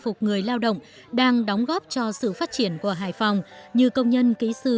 phục người lao động đang đóng góp cho sự phát triển của hải phòng như công nhân kỹ sư